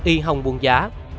y hồng buôn giá